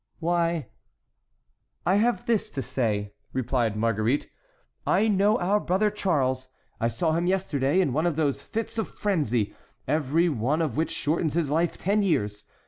"Why, I have this to say," replied Marguerite, "I know our brother Charles; I saw him yesterday in one of those fits of frenzy, every one of which shortens his life ten years.